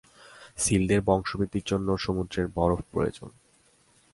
সিলদের বংশবৃদ্ধির জন্য সমুদ্রের বরফ প্রয়োজন।